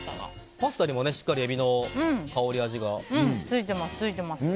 パスタにもしっかりエビの香りと味がついてますね。